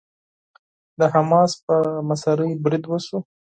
د حماس په مشرۍ بريد وشو.